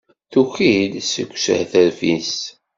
Tuki-d seg ushetref-is.